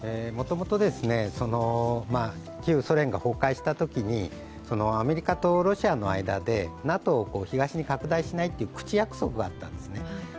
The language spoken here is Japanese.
もともと旧ソ連が崩壊したときアメリカとロシアの間でＮＡＴＯを東に拡大しないという口約束があったんですね。